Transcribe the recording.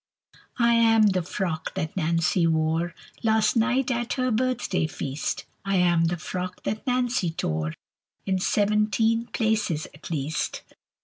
I am the frock that Nancy wore Last night at her birthday feast. I am the frock that Nancy tore In seventeen places, at least.